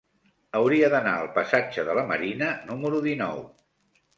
Hauria d'anar al passatge de la Marina número dinou.